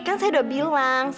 kan saya udah bilang